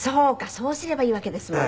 そうすればいいわけですもんね。